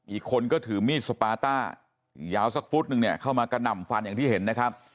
อีกคนก็ถือมีดสปาต้ายาวสักฟุตนึงเนี่ยเข้ามากระหน่ำฟันอย่างที่เห็นนะครับ